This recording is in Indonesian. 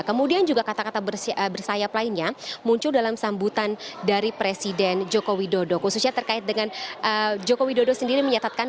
kemudian juga kata kata bersayap lainnya muncul dalam sambutan dari presiden joko widodo khususnya terkait dengan joko widodo sendiri menyatakan